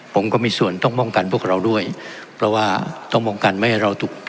ผมก็มีส่วนต้องป้องกันพวกเราด้วยเพราะว่าต้องป้องกันไม่ให้เราถูก